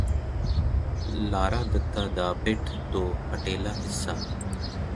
ਲਾਰਾ ਦੱਤਾ ਦਾ ਪਿੱਠ ਤੋਂ ਹੇਠਲਾ ਹਿੱਸਾ